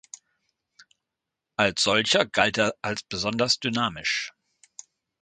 Als solcher galt er als besonders dynamisch.